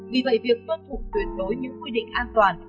vì vậy việc tuân thủ tuyệt đối những quy định an toàn